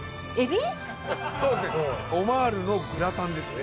そうですねオマールのグラタンですね。